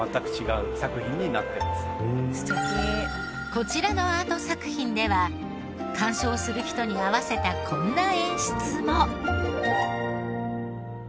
こちらのアート作品では鑑賞する人に合わせたこんな演出も。